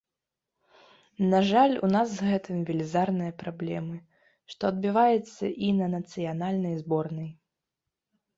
На жаль, у нас з гэтым велізарныя праблемы, што адбіваецца і на нацыянальнай зборнай.